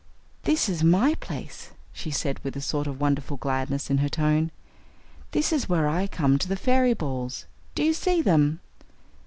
"This is my place," she said, with a sort of wonderful gladness in her tone. "This is where I come to the fairy balls. Do you see them?"